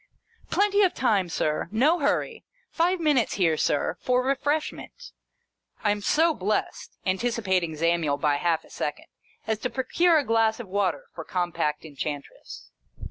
" Plenty of time, Sir. No hurry. Five minutes here, Sir, for refreshment." I am so blest (anticipating Zamiel, by half a second) as to procure a glass of water for Compact Enchantress.